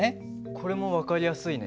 これも分かりやすいね。